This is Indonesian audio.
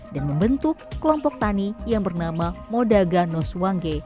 dan membentuk kelompok tani yang bernama modagano swange